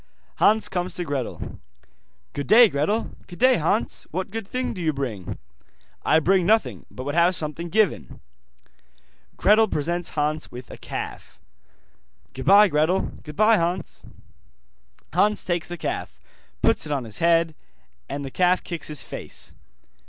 Hans comes to Gretel. 'Good day, Gretel.' 'Good day, Hans, What good thing do you bring?' 'I bring nothing, but would have something given.' Gretel presents Hans with a calf. 'Goodbye, Gretel.' 'Goodbye, Hans.' Hans takes the calf, puts it on his head, and the calf kicks his face.